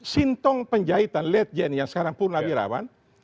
sintong penjahitan late gen yang sekarang pun abirawan